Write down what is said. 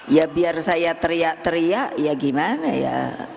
ya biar saya teriak teriak ya gimana ya